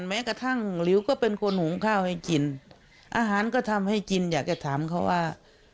แม้กระทั่งหลิวก็เป็นคนหุงข้าวให้กินอาหารก็ทำให้กินอยากจะถามเขาว่า